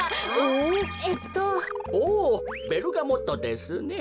おおベルガモットですね。